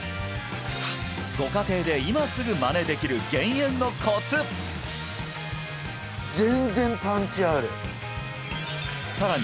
ご家庭で今すぐマネできる減塩のコツ全然パンチあるさらに